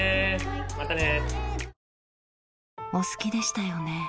またね